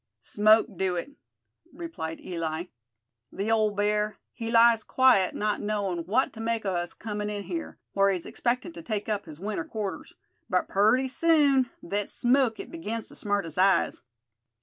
"Smoke do it," replied Eli. "The ole bear, he lies quiet, not knowin' what to make o' us comin' in here, whar he's expectin' to take up his winter quarters. But purty soon thet smoke it begins to smart his eyes.